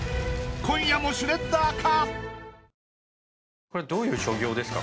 今夜もシュレッダーか